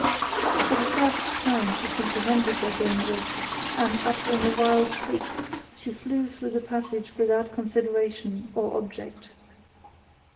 For the first time she comprehended their danger; and uttering a wild shriek, she flew through the passage without consideration, or object.